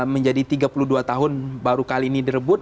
menjadi tiga puluh dua tahun baru kali ini direbut